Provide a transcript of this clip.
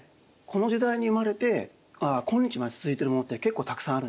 この時代に生まれて今日まで続いているものって結構たくさんあるんですね。